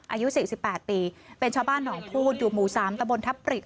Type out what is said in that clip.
อายุสี่สิบแปดตีเป็นชาวบ้านหนองพูทอยู่หมู่สามตะบนทับปริด